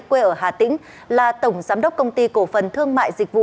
quê ở hà tĩnh là tổng giám đốc công ty cổ phần thương mại dịch vụ